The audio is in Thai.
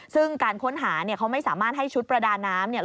ซึ่งการค้นหาเขาไม่สามารถให้ชุดประดาน้ำ